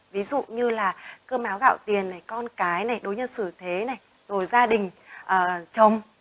ví dụ như là cơm áo gạo tiền này con cái này đối với sử thế này rồi gia đình chồng